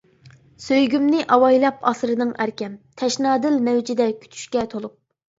سۆيگۈمنى ئاۋايلاپ ئاسرىدىڭ ئەركەم، تەشنا دىل مەۋجىدە كۈتۈشكە تولۇپ.